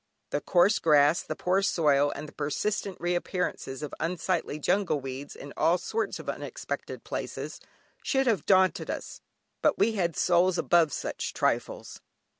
The coarse grass, the poor soil, and the persistent reappearances of unsightly jungle weeds in all sorts of unexpected places should have daunted us, but we had souls above such trifles.